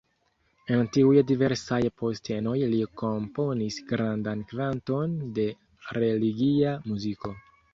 En tiuj diversaj postenoj li komponis grandan kvanton de religia muziko.